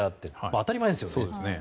当たり前ですよね。